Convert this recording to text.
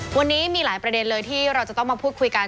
วันนี้มีหลายประเด็นเลยที่เราจะต้องมาพูดคุยกัน